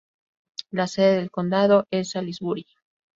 La sede del condado es Salisbury.